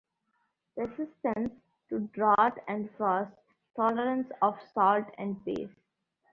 Resistance to drought and frost; tolerance of salt and base.